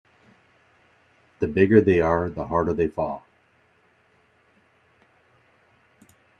The bigger they are the harder they fall.